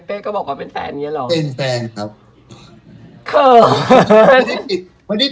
เป้ก็บอกว่าเป็นแฟนอย่างเงี้ยหรอเป็นแฟนครับเขินไม่ได้ปิด